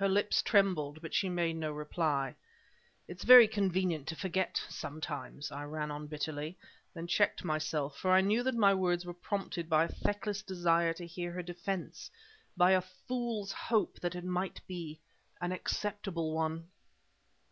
Her lips trembled, but she made no reply. "It is very convenient to forget, sometimes," I ran on bitterly, then checked myself; for I knew that my words were prompted by a feckless desire to hear her defense, by a fool's hope that it might be an acceptable one.